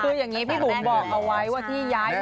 คืออย่างนี้พี่บุ๋มบอกเอาไว้ว่าที่ย้าย